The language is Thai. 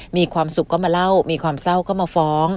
มีความสุขก็มาเล่ามีความเศร้าก็มาฟ้อง